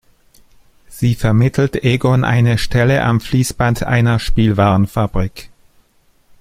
Sie vermittelt Egon eine Stelle am Fließband einer Spielwarenfabrik.